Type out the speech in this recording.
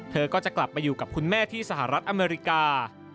เธอก็จะกลับมาอยู่กับคุณแม่ที่สหรัฐอเมริกา